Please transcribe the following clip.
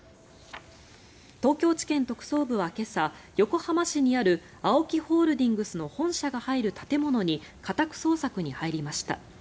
東京地検特捜部は今朝横浜市にあるＡＯＫＩホールディングスの本社が入る建物に家宅捜索に入りました。